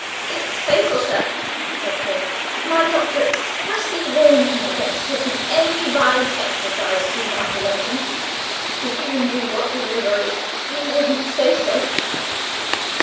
"It's fatal, sir," said Paul. "My doctor expressly warned me against taking any violent exercise soon after luncheon. If you knew what liver is, you wouldn't say so!"